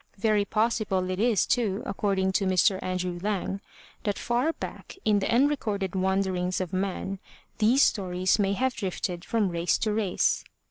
Very possible it is too, according to Mr. Andrew Lang, that far back in the unrecorded wanderings of man, these stories may have drifted from race to race.